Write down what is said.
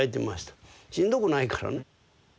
しんどくないからね。